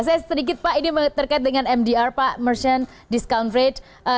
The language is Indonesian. saya sedikit pak ini terkait dengan mdr pak merchant discount rate